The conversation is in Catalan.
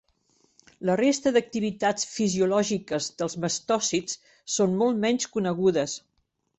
La resta d'activitats fisiològiques dels mastòcits són molt menys conegudes.